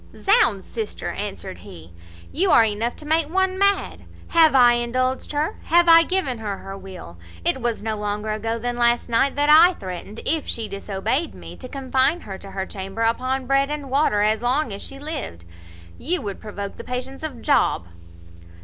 "Zounds! sister," answered he, "you are enough to make one mad. Have I indulged her? Have I given her her will? It was no longer ago than last night that I threatened, if she disobeyed me, to confine her to her chamber upon bread and water as long as she lived. You would provoke the patience of Job."